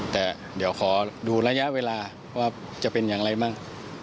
แต่เดี๋ยวขอดูระยะเวลาว่าจะเป็นอย่างไรบ้าง